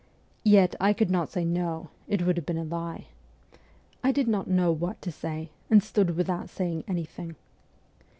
Yet I could not say 'No ': it would have been a lie. I did not know what to say, and stood without saying anything.